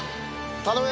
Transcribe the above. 頼む。